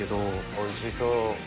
おいしそう。